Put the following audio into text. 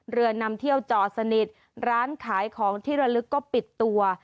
เรือนำเที่ยวจอดสนิทร้านขายของที่ระลึกก็ปิดตัว